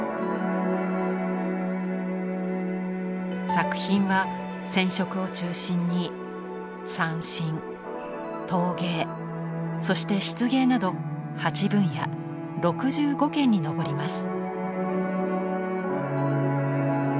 作品は染織を中心に三線陶芸そして漆芸など８分野６５件に上ります。